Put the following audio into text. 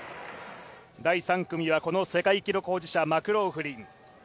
第３組はこの世界記録保持者マクローフリン。